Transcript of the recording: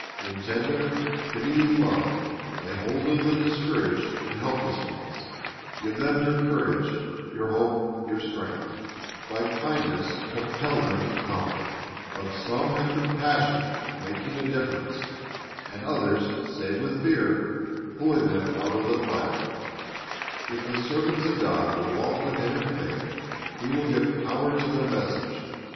In tender, pitying love, lay hold of the discouraged and helpless ones. Give them your courage, your hope, your strength. By kindness compel them to ilsa. 55:1; Rev. 22: 17 2 Rev. 3: 20 SHoseaii;S <Ps. 18:35 236 Christ's Object Lessons come. "Of some have compassion, making a difference; and others save with fear, pulling them out of the fire."^ If the servants of God will walk with Him in faith, He will give power to their message.